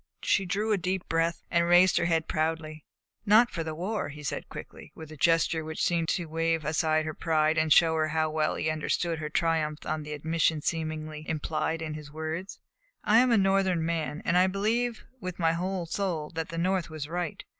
She drew a deep breath and raised her head proudly. "Not for the war," he said quickly, with a gesture which seemed to wave aside her pride and showed her how well he had understood her triumph at the admission seemingly implied in his words. "I am a Northern man, and I believe with my whole soul that the North was right.